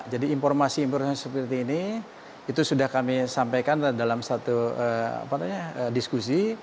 jadi informasi informasi seperti ini itu sudah kami sampaikan dalam satu diskusi